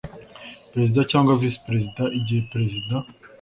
perezida cyangwa visi perezida igihe perezida